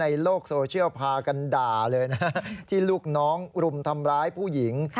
ในโลกโซเชียลพากันด่าเลยนะที่ลูกน้องรุมทำร้ายผู้หญิง